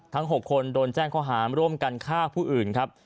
๖คนโดนแจ้งข้อหาร่วมกันฆ่าผู้อื่นครับ